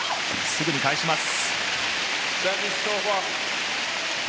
すぐに返します。